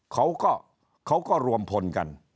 เขาก็รวมพลกัน